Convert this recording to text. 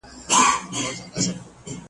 شیخه زما او ستا بدي زړه ده له ازله ده .